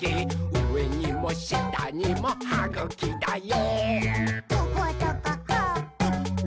うえにもしたにもはぐきだよ！」